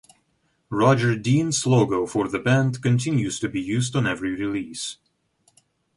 Roger Dean's logo for the band continues to be used on every release.